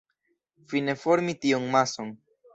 Fine formi tiun mason.